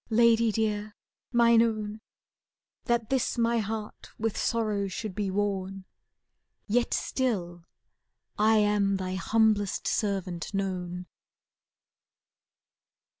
Lady dear, mine own, That this my heart with sorrow should be worn. Yet still am I thy humblest servant known.